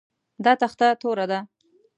دا تخته توره ده